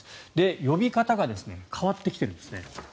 呼び方が変わってきているんですね。